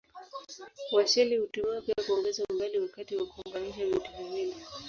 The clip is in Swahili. Washeli hutumiwa pia kuongeza umbali wakati wa kuunganisha vitu viwili.